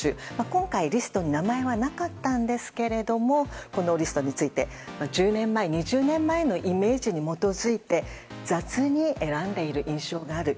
今回、リストに名前はなかったんですけどもこのリストについて１０年前、２０年前のイメージに基づいて雑に選んでいる印象がある。